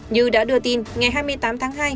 như đã đưa tin ngày hai mươi tám tháng hai